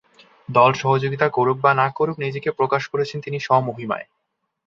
দল সহযোগিতা করুক বা না করুক নিজেকে প্রকাশ করেছেন তিনি স্ব-মহিমায়।